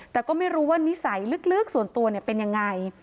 แต่ก็ไม่รู้ว่านิสัยลึกส่วนตัวเป็นยังไง